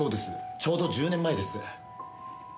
ちょうど１０年前です。